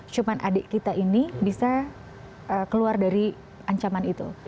cuma adik kita ini bisa keluar dari ancaman itu